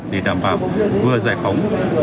để đảm bảo vừa giải phóng